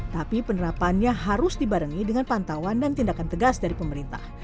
tapi penerapannya harus dibarengi dengan pantauan dan tindakan tegas dari pemerintah